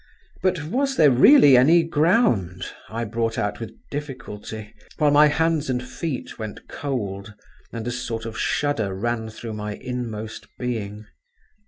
"But was there really any ground," I brought out with difficulty, while my hands and feet went cold, and a sort of shudder ran through my inmost being.